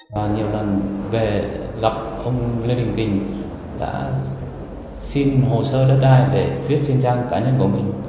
và nhiều lần về gặp ông lê đình kình đã xin hồ sơ đất đai để viết trên trang cá nhân của mình